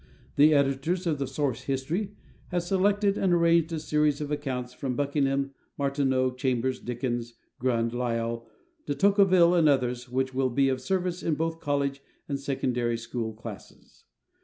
The editors of the "Source history" have selected and arranged a series of accounts from Buckingham, Martineau, Chambers, Dickens, Grund, Lyell, de Tocqueville and others which will be of service in both college and secondary school classes.